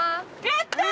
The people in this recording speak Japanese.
やったー！